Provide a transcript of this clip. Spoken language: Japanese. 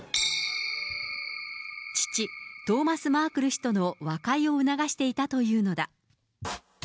父、トーマス・マークル氏との和解を促していたというのだ。